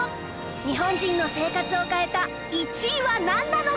日本人の生活を変えた１位はなんなのか？